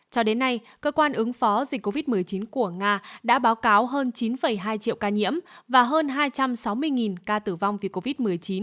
cho đến nay cơ quan ứng phó dịch covid một mươi chín của nga đã báo cáo hơn chín hai triệu ca nhiễm và hơn hai trăm sáu mươi ca tử vong vì covid một mươi chín